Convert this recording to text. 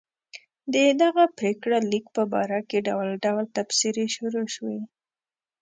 د دغه پرېکړه لیک په باره کې ډول ډول تبصرې شروع شوې.